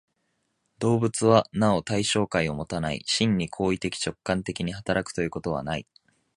動物はなお対象界をもたない、真に行為的直観的に働くということはない。